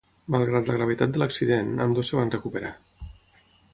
Malgrat la gravetat de l'accident, ambdós es van recuperar.